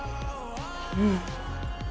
うん！